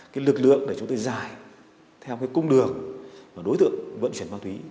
vì lực lượng để chúng tôi giải theo cung đường đối tượng vận chuyển ma túy